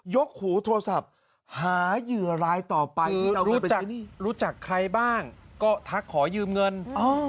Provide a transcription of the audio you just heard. กหูโทรศัพท์หาเหยื่อรายต่อไปที่เรารู้จักรู้จักใครบ้างก็ทักขอยืมเงิน